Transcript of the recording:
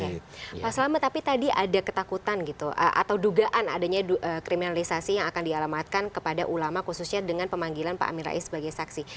oke pak selamat tapi tadi ada ketakutan gitu atau dugaan adanya kriminalisasi yang akan dialamatkan kepada ulama khususnya dengan pemanggilan pak amin rais sebagai saksi